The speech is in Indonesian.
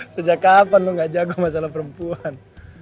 sejak kapan lu gak jago masalah perempuan